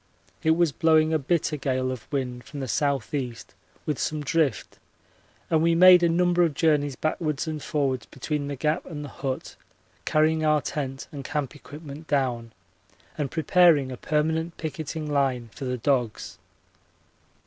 It was blowing a bitter gale of wind from the S.E. with some drift and we made a number of journeys backwards and forwards between the Gap and the hut, carrying our tent and camp equipment down and preparing a permanent picketing line for the dogs.